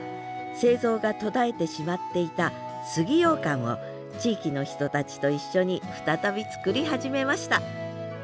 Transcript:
製造が途絶えてしまっていた杉ようかんを地域の人たちと一緒に再び作り始めました